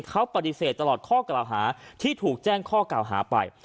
เขาปฏิเสธตลอดข้อกล่าวหาที่ถูกแจ้งข้อกล่าวหาไป